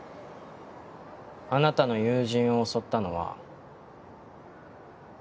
あなたの友人を襲ったのは。